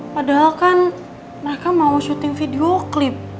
padahal kan mereka mau syuting video klip